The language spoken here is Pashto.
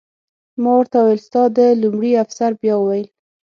ما ورته وویل: ستا د... لومړي افسر بیا وویل.